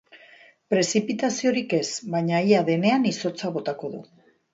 Prezipitaziorik ez, baina ia denean izotza botako du.